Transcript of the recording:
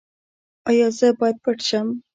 ایا زه باید پټ شم؟